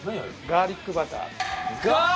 ガーリックバター！